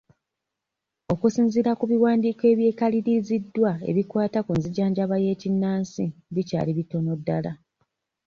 Okusinziira ku biwandiiko ebyekaliriziddwa ebikwata ku nzijanjaba y'ekinnansi bikyali bitono ddala.